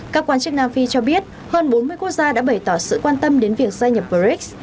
các quan chức nam phi cho biết hơn bốn mươi quốc gia đã bày tỏ sự quan tâm đến việc gia nhập brics